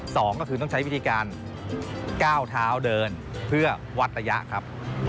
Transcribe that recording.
สองก็คือต้องใช้วิธีการก้าวเท้าเดินเพื่อวัดระยะครับ